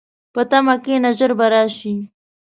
په تمه کښېنه، ژر به راشي.